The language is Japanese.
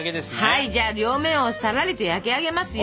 はいじゃあ両面をさらりと焼き上げますよ。